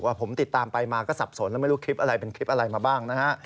ผมติดตามไปมาก็สับสนแล้วไม่รู้คลิปอะไรเป็นคลิปอะไรมาบ้างนะฮะ